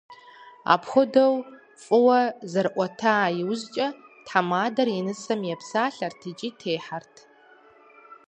Апхуэдэу фӏыуэ зэрыӏуэта иужькӀэ, тхьэмадэр и нысэм епсалъэрт икӀи техьэрт.